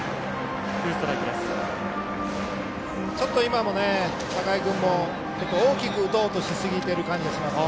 ちょっと榮君も大きく打とうとしすぎている感じがします。